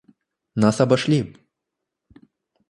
Нас обошли!